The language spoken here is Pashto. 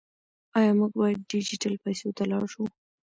آیا موږ باید ډیجیټل پیسو ته لاړ شو؟